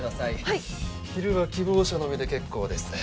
はい昼は希望者のみで結構です